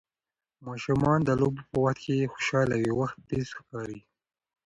ماشومان د لوبو په وخت خوشحاله وي، وخت تېز ښکاري.